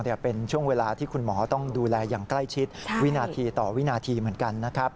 เป็นช่วงเวลาที่คุณหมอต้องดูแลอย่างใกล้ชิดวินาทีต่อวินาทีเหมือนกันนะครับ